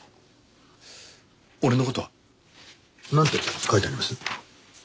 俺の事はなんて書いてあります？